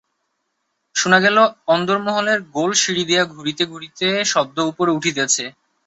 শুনা গেল, অন্দরমহলের গোলসিঁড়ি দিয়া ঘুরিতে ঘুরিতে শব্দ উপরে উঠিতেছে।